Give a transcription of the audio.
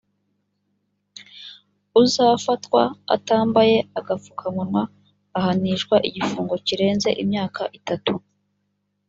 uzafatwa atambaye agapfukamunwa ahanishwa igifungo kirenze imyaka itatu